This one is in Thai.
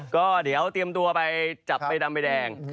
ก็เดี๋ยวเตรียมตัวไปจับใบดำใบแดง